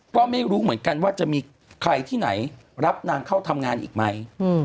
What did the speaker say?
ก็ไม่รู้เหมือนกันว่าจะมีใครที่ไหนรับนางเข้าทำงานอีกไหม